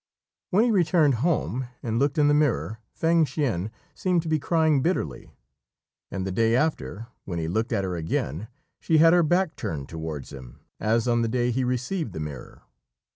When he returned home and looked in the mirror, Fêng hsien seemed to be crying bitterly; and the day after, when he looked at her again, she had her back turned towards him as on the day he received the mirror.